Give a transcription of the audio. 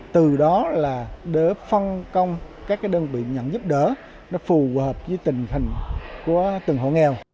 từ đó là đỡ phân công các đơn vị nhận giúp đỡ